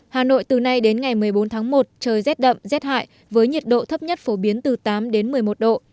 hà nội từ nay đến ngày một mươi bốn tháng một trời rét đậm rét hại với nhiệt độ thấp nhất phổ biến từ tám đến một mươi một độ